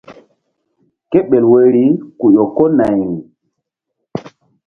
Kéɓel woyri ku ƴo ko nayri.